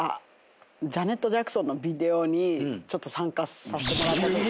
ジャネット・ジャクソンのビデオにちょっと参加させてもらったときに。